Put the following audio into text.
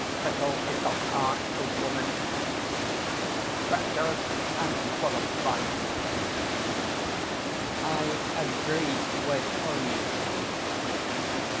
Fickle is the heart of woman Treacherous and full of vice; I agree with Ulysses.